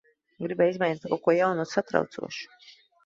Gribēju izmēģināt kaut ko jaunu un satraucošu.